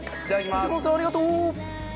「藤本さんありがとう」